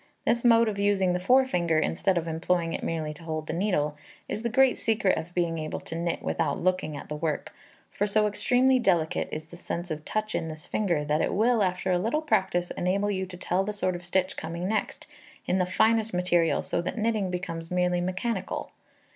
This mode of using the forefinger, instead of employing it merely to hold the needle, is the great secret of being able to knit without looking at the work, for so extremely delicate is the sense of touch in this finger, that it will, after a little practice, enable you to tell the sort of stitch coming next, in the finest material, so that knitting becomes merely mechanical.